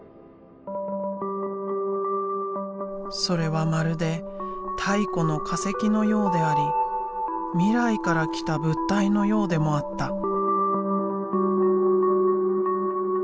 それはまるで太古の化石のようであり未来から来た物体のようでもあった。